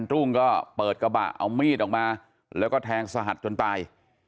รุ่งก็เปิดกระบะเอามีดออกมาแล้วก็แทงสหัสจนตาย